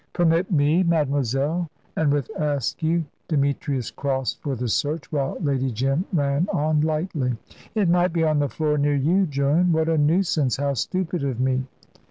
"Permit me, mademoiselle!" and with Askew, Demetrius crossed for the search, while Lady Jim ran on lightly: "It might be on the floor near you, Joan. What a nuisance! How stupid of me!"